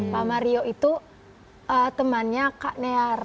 pak mario itu temannya kak near